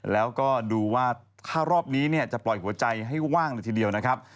แล้วก็ดูว่าถ้ารอบนี้จะปล่อยหัวใจให้ว่างเลยทีเดียวนะครับ